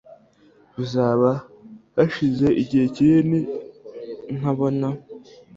Bizaba hashize igihe kinini ntabona .